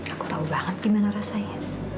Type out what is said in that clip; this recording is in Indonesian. aku tahu banget gimana rasanya